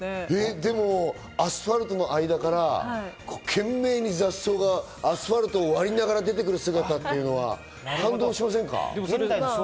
でもアスファルトの間から懸命に雑草がアスファルトを割りながら出てくる姿っていうのは感動しませんか？